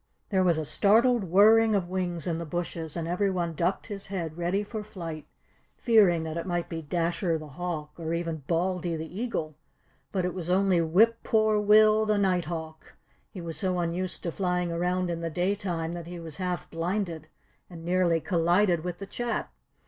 There was a startled whirring of wings in the bushes, and every one ducked his head ready for flight, fearing that it might be Dasher the Hawk or even Baldy the Eagle; but it was only Whip Poor Will the Night hawk. He was so unused to flying around in the day time that he was half blinded, and nearly collided with the Chat.